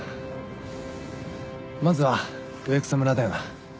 まずは上草村だよな？